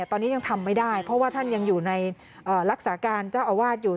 ตอนนี้ยังทำไม่ได้เพราะว่าท่านยังอยู่ในรักษาการเจ้าอาวาสอยู่